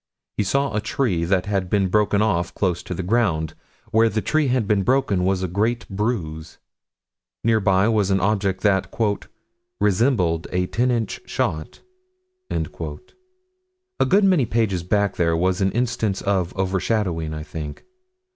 He saw a tree that had been broken off close to the ground. Where the tree had been broken was a great bruise. Near by was an object that "resembled a ten inch shot." A good many pages back there was an instance of over shadowing, I think.